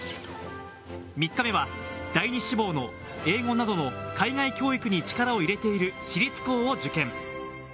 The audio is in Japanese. ３日目は、第二志望の英語などの海外教育に力を入れている私立校の受験。